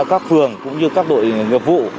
các phường cũng như các đội nghiệp vụ